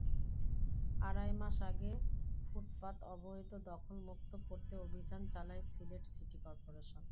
আড়াই মাস আগে ফুটপাত অবৈধ দখলমুক্ত করতে অভিযান চালায় সিলেট সিটি করপোরেশন।